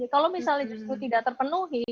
kalau misalnya justru tidak terpenuhi